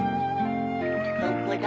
どこだ？